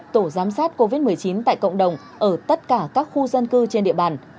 tại tất cả các khu dân cư trên địa bàn